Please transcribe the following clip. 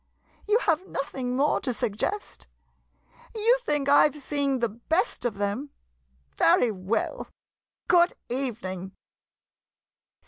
You have nothing more to suggest? You think I 've seen the best of them ? Very well — good evening.